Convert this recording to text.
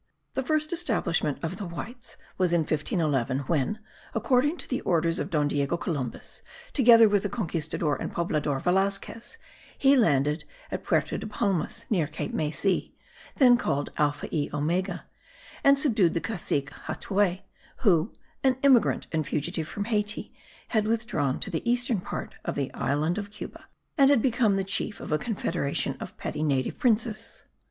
The first establishment of the whites was in 1511 when, according to the orders of Don Diego Columbus, together with the conquistador and poblador Velasquez, he landed at Puerto de Palmas, near Cape Maysi, then called Alfa y Omega, and subdued the cacique Hatuey who, an emigrant and fugitive from Hayti, had withdrawn to the eastern part of the island of Cuba, and had become the chief of a confederation of petty native princes.